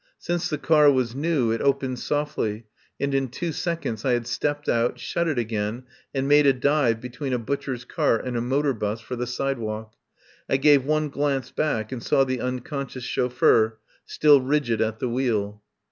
Since the car was new it opened softly, and in two sec onds I had stepped out, shut it again, and made a dive between a butcher's cart and a motor bus for the side walk. I gave one glance back and saw the unconscious chauf feur still rigid at the wheel.